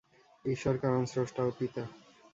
ঈশ্বর কারণ, স্রষ্টা ও পিতা।